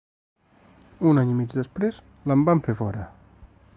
Un any i mig després, l’en van fer fora.